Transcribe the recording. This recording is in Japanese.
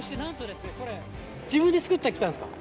自分で作ってきたんですか？